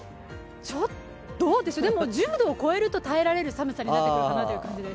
ちょっと、どうでしょうでも１０度を超えると耐えられる寒さになってくる感じです。